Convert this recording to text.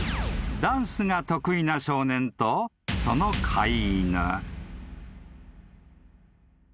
［ダンスが得意な少年とその飼い犬］